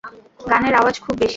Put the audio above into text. গানের আওয়াজ খুব বেশী।